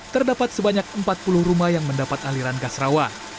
terdapat sebanyak empat puluh rumah yang mendapat aliran gas rawa